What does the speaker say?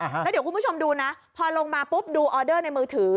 แล้วเดี๋ยวคุณผู้ชมดูนะพอลงมาปุ๊บดูออเดอร์ในมือถือ